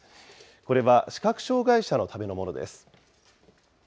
これは視覚障害者のためのものです。